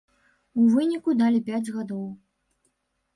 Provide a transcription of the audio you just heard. У выніку далі пяць гадоў.